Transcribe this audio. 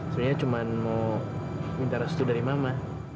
sebenarnya cuma mau minta restu dari mama